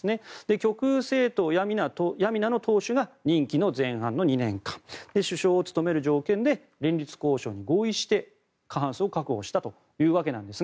極右政党ヤミナの党首が任期の前半の２年間首相を務める条件で連立交渉に合意した、過半数を獲得したということですが